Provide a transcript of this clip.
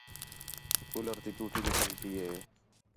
کُولر تی ٹوٹی نِکل پئی ہے